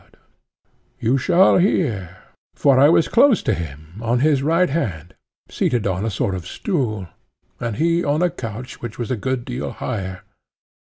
PHAEDO: You shall hear, for I was close to him on his right hand, seated on a sort of stool, and he on a couch which was a good deal higher.